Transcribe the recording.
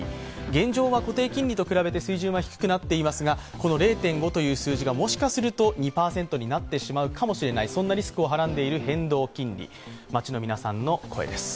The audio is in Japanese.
現状は固定金利と比べて低くなっていますが、この０．５という数字がもしかすると２％になってしまうかもしれないそんなリスクをはらんでいる変動金利。